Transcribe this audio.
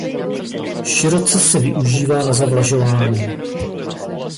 Široce se využívá na zavlažování.